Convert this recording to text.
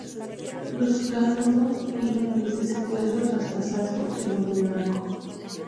Los cargos iban desde secuestro hasta asalto y robo de banco.